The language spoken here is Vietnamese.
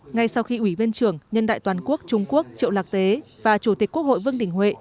ngay sau khi ủy viên trưởng nhân đại toàn quốc trung quốc triệu lạc tế và chủ tịch quốc hội vương đình huệ